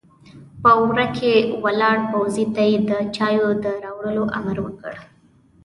په وره کې ولاړ پوځي ته يې د چايو د راوړلو امر وکړ!